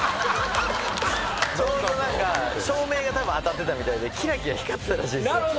ちょうど何か照明が当たってたみたいでキラキラ光ってたらしいんですよ。